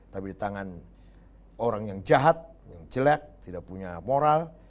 tapi di tangan orang yang jahat yang jelek tidak punya moral